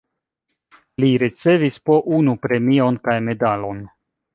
Li ricevis po unu premion kaj medalon.